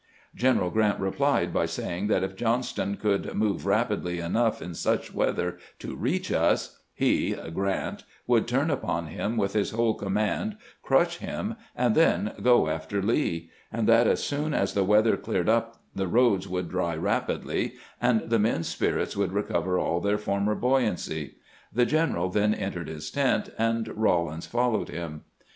Greneral Grant replied by sajdng that if Johnston conld move rapidly enough in such weather to reach us, he (Grant) would turn upon him with his whole command, crush him, and then go after Lee ; and that as soon as the weather cleared up the roads would dry rapidly, and the men's spirits would recover all their former buoyancy. The general then entered his tent, and Eawlins followed him.